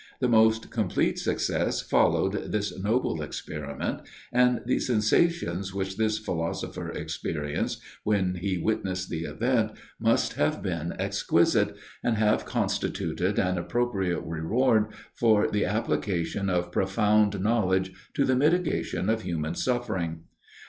The most complete success followed this noble experiment, and the sensations which this philosopher experienced when he witnessed the event, must have been exquisite, and have constituted an appropriate reward for the application of profound knowledge to the mitigation of human suffering.